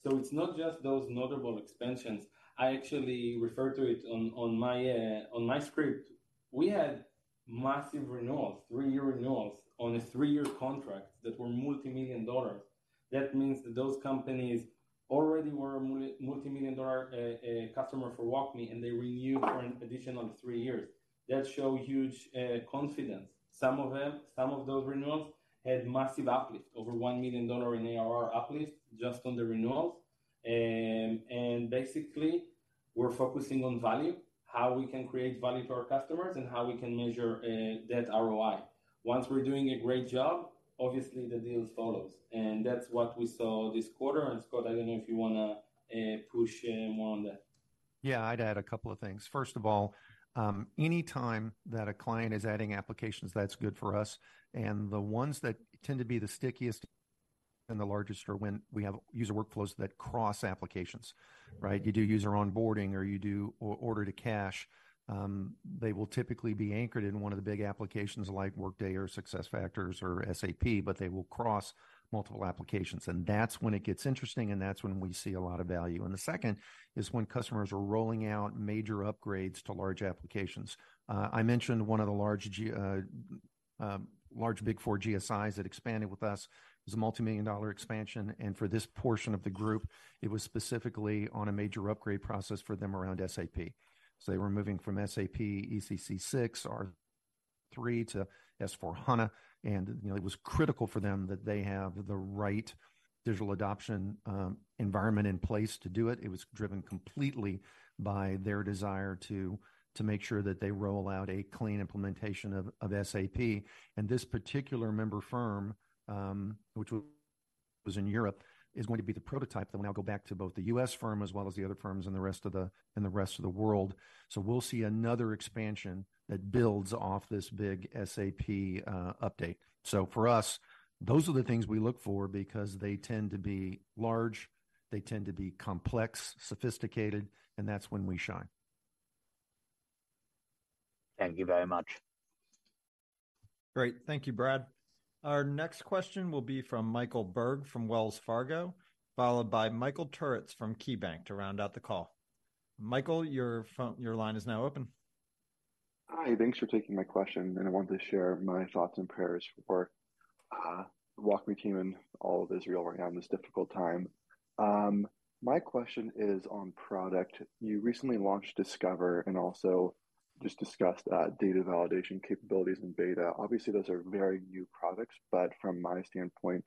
[SPEAKER 2] So it's not just those notable expansions. I actually refer to it on my script. We had massive renewals, three-year renewals on a three-year contract that were multimillion dollar. That means that those companies already were a multimillion-dollar customer for WalkMe, and they renewed for an additional three years. That show huge confidence. Some of those renewals had massive uplift, over $1 million in ARR uplift just on the renewals. And basically, we're focusing on value, how we can create value for our customers, and how we can measure that ROI. Once we're doing a great job, obviously the deals follows, and that's what we saw this quarter. And, Scott, I don't know if you want to push in more on that.
[SPEAKER 3] Yeah, I'd add a couple of things. First of all, anytime that a client is adding applications, that's good for us. And the ones that tend to be the stickiest and the largest are when we have user workflows that cross applications, right? You do user onboarding or order to cash, they will typically be anchored in one of the big applications like Workday or SuccessFactors or SAP, but they will cross multiple applications, and that's when it gets interesting, and that's when we see a lot of value. And the second is when customers are rolling out major upgrades to large applications. I mentioned one of the large Big Four GSIs that expanded with us. It was a multimillion-dollar expansion, and for this portion of the group, it was specifically on a major upgrade process for them around SAP. So they were moving from SAP ECC 6, R/3 to S/4HANA, and, you know, it was critical for them that they have the right digital adoption environment in place to do it. It was driven completely by their desire to make sure that they roll out a clean implementation of SAP. And this particular member firm, which was in Europe, is going to be the prototype that will now go back to both the U.S. firm as well as the other firms in the rest of the world. So we'll see another expansion that builds off this big SAP update. So for us, those are the things we look for because they tend to be large, they tend to be complex, sophisticated, and that's when we shine.
[SPEAKER 10] Thank you very much.
[SPEAKER 3] Great. Thank you, Brad. Our next question will be from Michael Berg, from Wells Fargo, followed by Michael Turits from KeyBanc to round out the call. Michael, your phone, your line is now open.
[SPEAKER 11] Hi, thanks for taking my question, and I want to share my thoughts and prayers for WalkMe team and all of Israel right now in this difficult time. My question is on product. You recently launched Discover and also just discussed data validation capabilities in beta. Obviously, those are very new products, but from my standpoint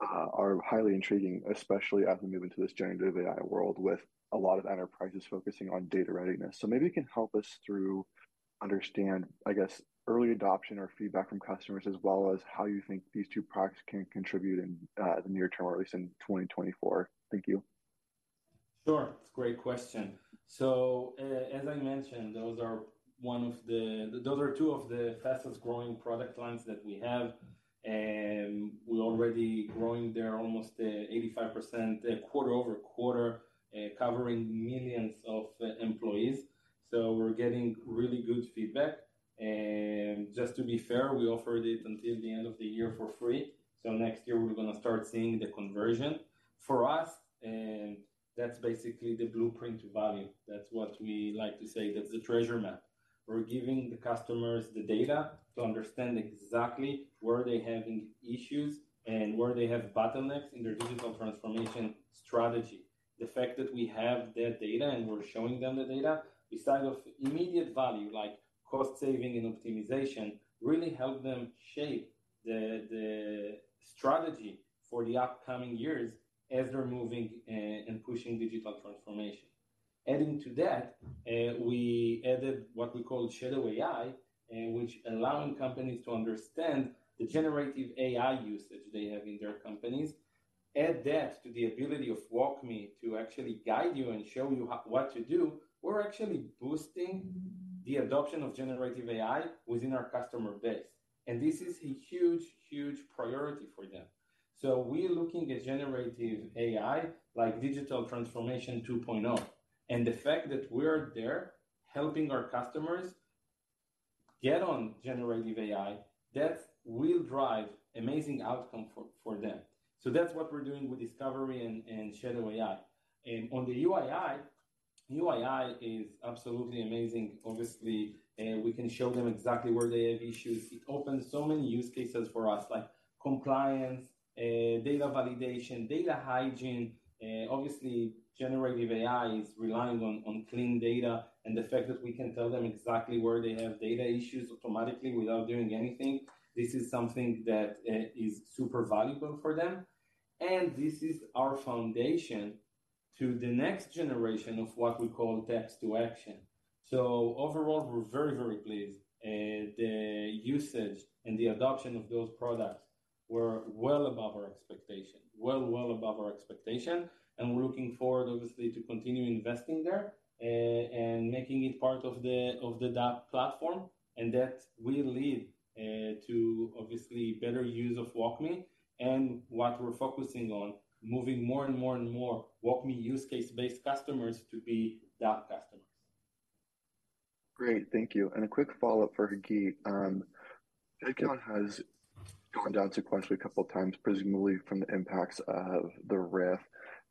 [SPEAKER 11] are highly intriguing, especially as we move into this generative AI world with a lot of enterprises focusing on data readiness. So maybe you can help us understand, I guess, early adoption or feedback from customers, as well as how you think these two products can contribute in the near term, or at least in 2024. Thank you.
[SPEAKER 2] Sure. It's a great question. So, as I mentioned, those are two of the fastest growing product lines that we have, and we're already growing there almost 85% quarter-over-quarter, covering millions of employees. So we're getting really good feedback. And just to be fair, we offered it until the end of the year for free, so next year, we're going to start seeing the conversion. For us, and that's basically the blueprint to value. That's what we like to say, that's the treasure map. We're giving the customers the data to understand exactly where they're having issues and where they have bottlenecks in their digital transformation strategy. The fact that we have that data and we're showing them the data, beside of immediate value, like cost saving and optimization, really help them shape the the strategy for the upcoming years as they're moving and pushing digital transformation. Adding to that, we added what we call Shadow AI, which allowing companies to understand the generative AI usage they have in their companies, add that to the ability of WalkMe to actually guide you and show you what to do, we're actually boosting the adoption of generative AI within our customer base, and this is a huge, huge priority for them. So we're looking at generative AI like digital transformation 2.0. And the fact that we're there helping our customers get on generative AI, that will drive amazing outcome for them. So that's what we're doing with Discovery and Shadow AI. On the UII, UII is absolutely amazing. Obviously, we can show them exactly where they have issues. It opens so many use cases for us, like compliance, data validation, data hygiene. Obviously, generative AI is relying on clean data, and the fact that we can tell them exactly where they have data issues automatically without doing anything, this is something that is super valuable for them, and this is our foundation to the next generation of what we call Text-to-Action. So overall, we're very, very pleased, the usage and the adoption of those products were well above our expectation. Well, well above our expectation, and we're looking forward, obviously, to continue investing there, and making it part of the DAP platform. That will lead to obviously better use of WalkMe and what we're focusing on, moving more and more and more WalkMe use case-based customers to be DAP customers.
[SPEAKER 11] Great, thank you. And a quick follow-up for Hagit. Headcount has gone down sequentially a couple of times, presumably from the impacts of the RIF.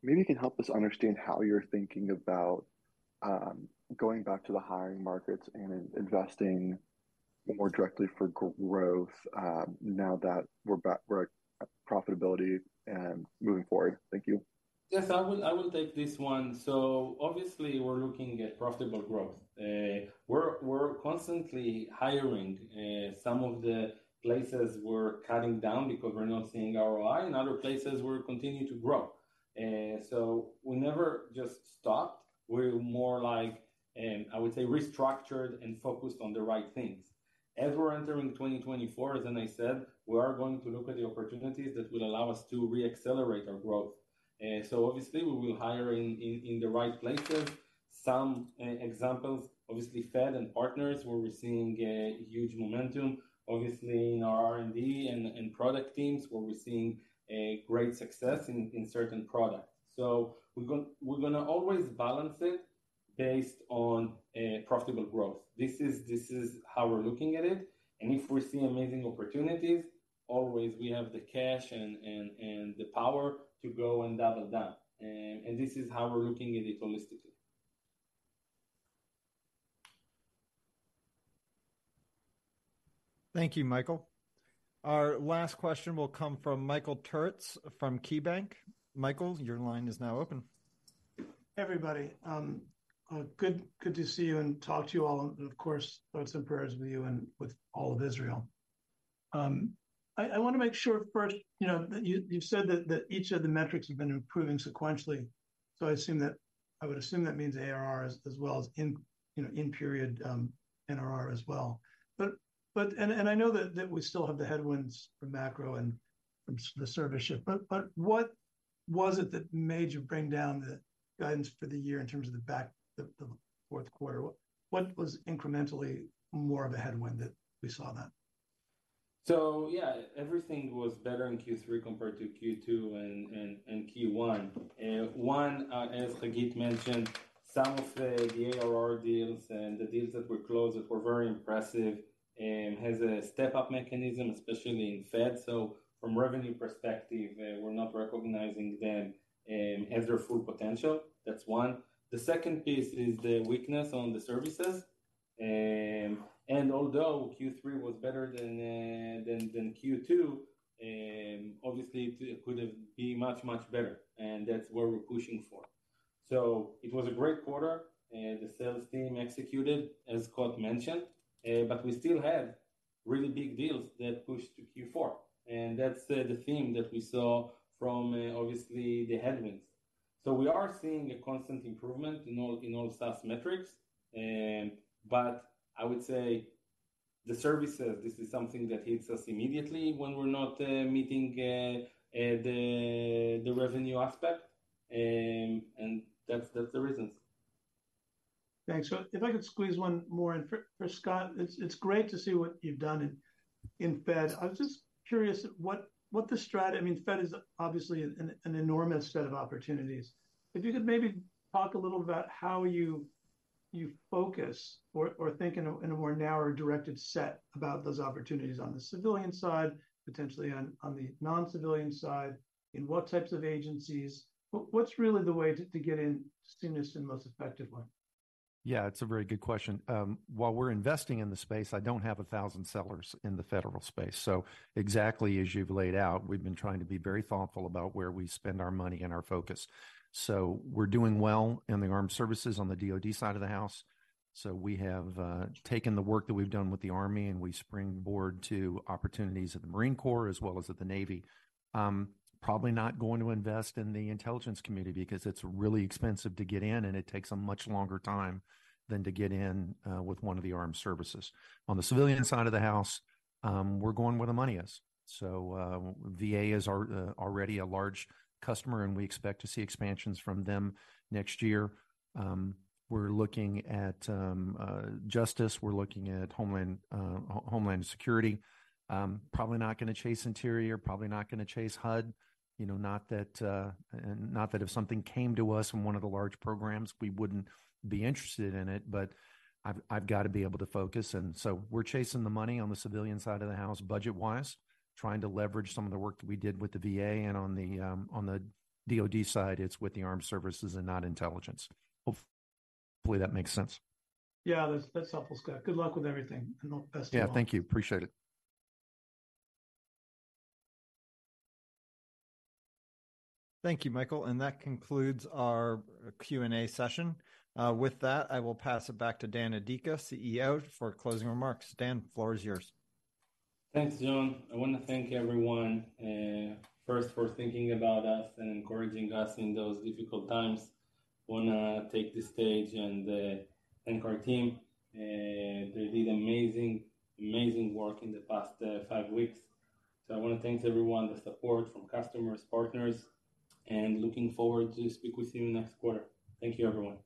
[SPEAKER 11] Maybe you can help us understand how you're thinking about going back to the hiring markets and investing more directly for growth, now that we're back, we're at profitability and moving forward. Thank you.
[SPEAKER 2] Yes, I will, I will take this one. So obviously, we're looking at profitable growth. We're constantly hiring. Some of the places we're cutting down because we're not seeing ROI, and other places we're continuing to grow. So we never just stopped. We're more like, I would say, restructured and focused on the right things. As we're entering 2024, as I said, we are going to look at the opportunities that will allow us to re-accelerate our growth. So obviously, we will hire in the right places. Some examples, obviously, Fed and partners, where we're seeing a huge momentum, obviously in our R&D and product teams, where we're seeing a great success in certain products. So we're going to always balance it based on profitable growth. This is how we're looking at it, and if we see amazing opportunities, always we have the cash and the power to go and double down. And this is how we're looking at it holistically.
[SPEAKER 1] Thank you, Michael. Our last question will come from Michael Turits from KeyBanc. Michael, your line is now open.
[SPEAKER 12] Everybody, good, good to see you and talk to you all, and of course, thoughts and prayers with you and with all of Israel. I want to make sure first, you know, you've said that each of the metrics have been improving sequentially. So I assume that, I would assume that means ARR as well as in, you know, in period, NRR as well. But, and I know that we still have the headwinds from macro and from the service shift, but what was it that made you bring down the guidance for the year in terms of the back, the fourth quarter? What was incrementally more of a headwind that we saw then?
[SPEAKER 2] So yeah, everything was better in Q3 compared to Q2 and Q1. One, as Hagit mentioned, some of the ARR deals and the deals that were closed that were very impressive has a step-up mechanism, especially in Fed. So from revenue perspective, we're not recognizing them as their full potential. That's one. The second piece is the weakness on the services. Although Q3 was better than Q2, obviously it could have been much, much better, and that's where we're pushing for. So it was a great quarter, and the sales team executed, as Scott mentioned, but we still have really big deals that pushed to Q4, and that's the theme that we saw from, obviously, the headwinds. So we are seeing a constant improvement in all stats and metrics, but I would say the services. This is something that hits us immediately when we're not the revenue aspect. And that's the reasons.
[SPEAKER 12] Thanks. So if I could squeeze one more in for Scott, it's great to see what you've done in Fed. I was just curious what, I mean, Fed is obviously an enormous set of opportunities. If you could maybe talk a little about how you focus or think in a more narrow or directed set about those opportunities on the civilian side, potentially on the non-civilian side, in what types of agencies? What's really the way to get in seamless and most effectively?
[SPEAKER 3] Yeah, it's a very good question. While we're investing in the space, I don't have 1,000 sellers in the federal space. So exactly as you've laid out, we've been trying to be very thoughtful about where we spend our money and our focus. So we're doing well in the armed services on the DoD side of the house. So we have taken the work that we've done with the Army, and we springboard to opportunities at the Marine Corps as well as at the Navy. Probably not going to invest in the intelligence community because it's really expensive to get in, and it takes a much longer time than to get in with one of the armed services. On the civilian side of the house, we're going where the money is. So, VA is already a large customer, and we expect to see expansions from them next year. We're looking at Justice, we're looking at Homeland Security. Probably not gonna chase Interior, probably not gonna chase HUD. You know, not that, not that if something came to us in one of the large programs, we wouldn't be interested in it, but I've got to be able to focus. And so we're chasing the money on the civilian side of the house, budget-wise, trying to leverage some of the work that we did with the VA and on the DoD side, it's with the armed services and not intelligence. Hopefully, that makes sense.
[SPEAKER 12] Yeah, that's, that's helpful, Scott. Good luck with everything, and all best of luck.
[SPEAKER 3] Yeah, thank you. Appreciate it.
[SPEAKER 1] Thank you, Michael, and that concludes our Q&A session. With that, I will pass it back to Dan Adika, CEO, for closing remarks. Dan, the floor is yours.
[SPEAKER 2] Thanks, John. I want to thank everyone, first for thinking about us and encouraging us in those difficult times. Want to take this stage and thank our team. They did amazing, amazing work in the past five weeks. So I want to thank everyone, the support from customers, partners, and looking forward to speak with you next quarter. Thank you, everyone.